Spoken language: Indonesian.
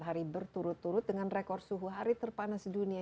hari berturut turut dengan rekor suhu hari terpanas dunia